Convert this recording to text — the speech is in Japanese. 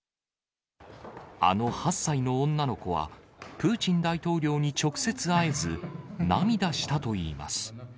あの８歳の女の子は、プーチン大統領に直接会えず、涙したといいます。